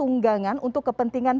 saya ingin ditunggangkan untuk kepentingan